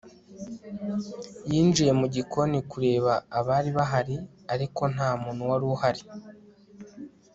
yinjiye mu gikoni kureba abari bahari, ariko nta muntu wari uhari